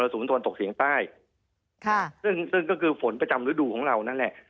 ซึ่งก็คือฝนประจำฤดูของเรานั่นแหละ